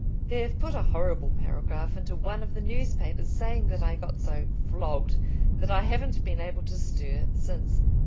They've put a horrible paragraph into one of the newspapers, saying that I got so "flogged" that I haven't been able to stir since.